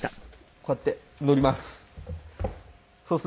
こうやって乗ります。